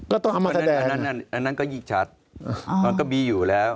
ก็ต้องเอามาแสดงอันนั้นก็ยิ่งชัดมันก็มีอยู่แล้ว